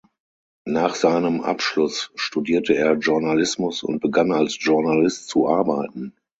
Nach seinem Abschluss studierte er Journalismus und begann als Journalist zu arbeiten.